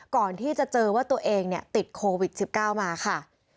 ก่อนที่จะเจอว่าตัวเองติดโควิด๑๙มาค่ะ